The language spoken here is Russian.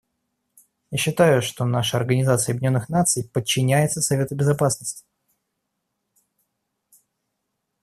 Я считаю, что наша Организация Объединенных Наций подчиняется Совету Безопасности.